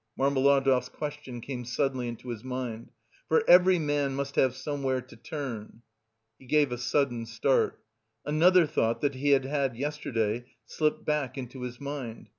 Marmeladov's question came suddenly into his mind, "for every man must have somewhere to turn...." He gave a sudden start; another thought, that he had had yesterday, slipped back into his mind.